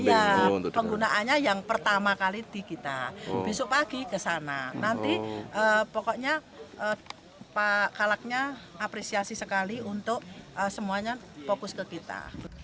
iya penggunaannya yang pertama kali di kita besok pagi ke sana nanti pokoknya pak kalaknya apresiasi sekali untuk semuanya fokus ke kita